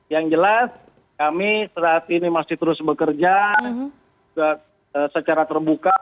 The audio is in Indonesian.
yang jelas kami saat ini masih terus bekerja secara terbuka